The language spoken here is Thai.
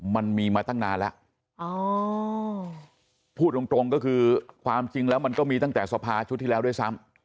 มันมีมาตั้งนานแล้วอ๋อพูดตรงก็คือความจริงแล้วมันก็มีตั้งแต่สภาชุดที่แล้วด้วยซ้ำ